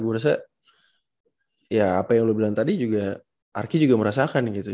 gue rasa ya apa yang lo bilang tadi juga arki juga merasakan gitu